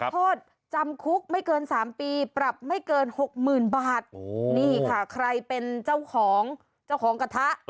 โทษจำคุกไม่เกิน๓ปีปรับไม่เกินหกหมื่นบาทนี่ค่ะใครเป็นเจ้าของเจ้าของกระทะ